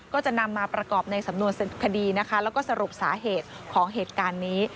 ก็จะนำมาประกอบในสำนวนคดีนะคะแล้วก็สรุปสาเหตุของเหตุการณ์นี้